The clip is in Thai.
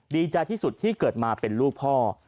ดีใจที่สุดที่เกิดมาเป็นลูกพ่อ